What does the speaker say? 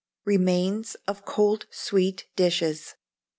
Remains of Cold Sweet Dishes.